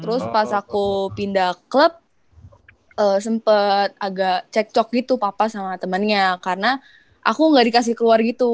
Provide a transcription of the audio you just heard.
terus pas aku pindah club sempet agak cek cok gitu papa sama temennya karena aku gak dikasih keluar gitu